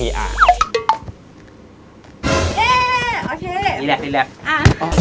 แอ่โอเคเอาละนี้แหละนี้แหละ